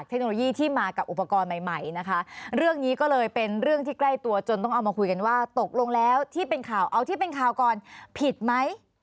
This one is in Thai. ตกลงแล้วที่เป็นข่าวเอาที่เป็นข่าวก่อนผิดไหม